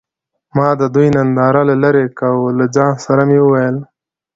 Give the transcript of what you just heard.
ما د دوي ننداره له لرې کوه له ځان سره مې وويل.